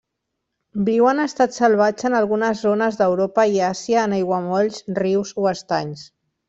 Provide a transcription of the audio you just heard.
Viu en estat salvatge en algunes zones d'Europa i Àsia en aiguamolls, rius o estanys.